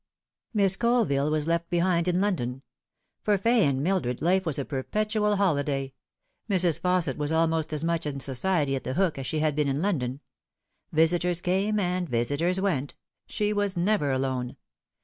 Miss Colville was left behind in London. For Fay and Mildred life was a perpetual holiday. Mrs. Fausset was almost as much in society at The Hook as she had been in London. Visitors came and visitors went. She was never alone.